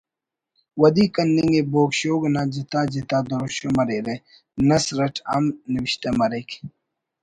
ودی کننگ ءِ بوگ شوگ نا جتا جتا دروشم مریرہ نثر اٹ ہم نوشتہ مریک